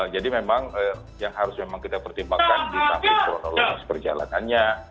jadi memang yang harus memang kita pertimbangkan di samping kronologis perjalanannya